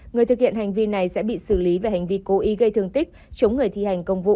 người thực hiện hành vi này sẽ bị xử lý về hành vi cố ý gây thương tích chống người thi hành công vụ